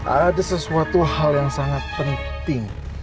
ada sesuatu hal yang sangat penting